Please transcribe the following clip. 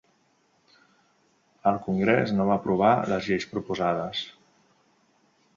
El Congrés no va aprovar les lleis proposades.